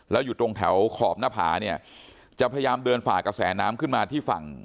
แล้วอยู่ตรงแถวขอบหน้าผาเนี่ยจะพยายามเดินฝ่ากระแสน้ำขึ้นมาที่ฝั่ง